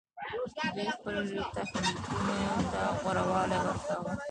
دوی خپل تخنیکونو ته غوره والی ورکاوه